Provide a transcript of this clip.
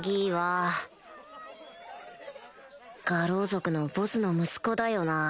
牙狼族のボスの息子だよな